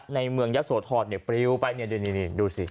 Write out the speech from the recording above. ในเมืองยักษ์โสธรเนี่ยปริ้วไปเนี่ยดูสิ